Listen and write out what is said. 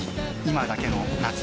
今だけの夏の味